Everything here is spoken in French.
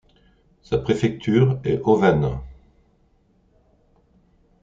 Sa préfecture est Ovan.